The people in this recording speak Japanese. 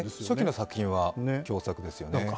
初期の作品は共作ですよね。